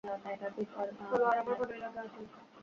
তলোয়ার আমার ভালোই লাগে, আসলে।